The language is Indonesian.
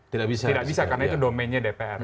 tidak bisa karena itu domennya dpr